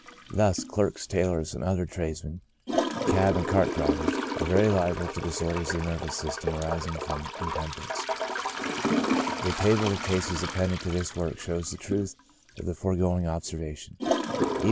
Thus clerks, tailors, and other trades men, cab and cart drivers, are very liable to disorders of the nervous system arising from intemperance \ the table of cases appended to this work shows the truth of the foregoing observation: E.